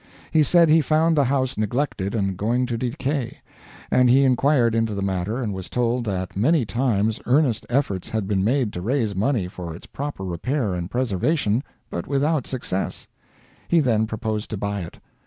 He said he found the house neglected and going to decay, and he inquired into the matter and was told that many times earnest efforts had been made to raise money for its proper repair and preservation, but without success. He then proposed to buy it.